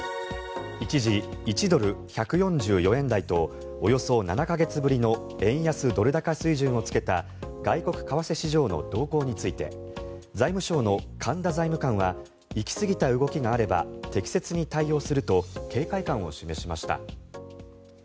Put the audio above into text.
一時、１ドル＝１４４円台とおよそ７か月ぶりの円安・ドル高水準をつけた外国為替市場の動向について財務省の神田財務官は行きすぎた動きがあれば適切に対応すると警戒感を示しました。